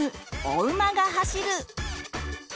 「おうまがはしる」。